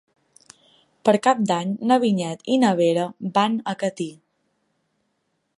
Per Cap d'Any na Vinyet i na Vera van a Catí.